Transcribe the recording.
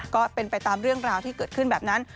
ก็เป็นไปตามเรื่องราวที่เกิดขึ้นแบบนั้น